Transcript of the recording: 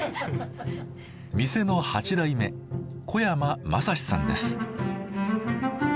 店の八代目小山雅司さんです。